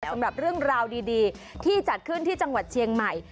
สำหรับเรื่องราวดีที่จัดขึ้นที่จังหวัดเชียงใหม่